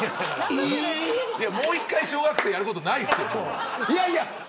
もう一回小学生やることないですよ。